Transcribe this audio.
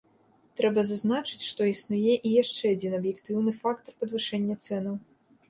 Трэба зазначыць, што існуе і яшчэ адзін аб'ектыўны фактар падвышэння цэнаў.